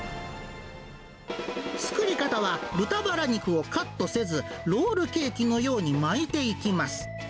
作り方は豚バラ肉をカットせず、ロールケーキのように巻いていきます。